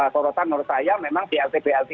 sorotan menurut saya memang blt blt